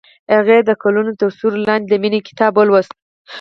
هغې د ګلونه تر سیوري لاندې د مینې کتاب ولوست.